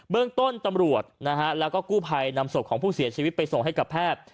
เรื่องต้นตำรวจนะฮะแล้วก็กู้ภัยนำศพของผู้เสียชีวิตไปส่งให้กับแพทย์